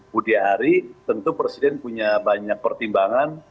budi ari tentu presiden punya banyak pertimbangan